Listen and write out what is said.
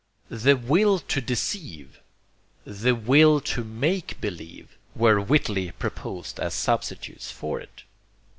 The "will to deceive," the "will to make believe," were wittily proposed as substitutes for it.